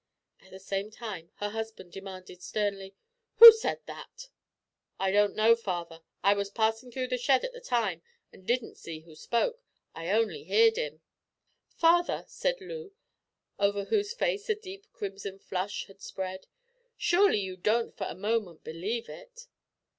At the same time her husband demanded sternly, "Who said that?" "I don't know, father. I was passing through the shed at the time and didn't see who spoke, I only heerd 'im." "Father," said Leo, over whose face a deep crimson flush had spread, "surely you don't for a moment believe it?"